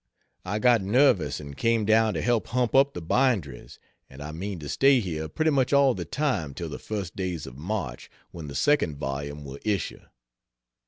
I got nervous and came down to help hump up the binderies; and I mean to stay here pretty much all the time till the first days of March, when the second volume will issue.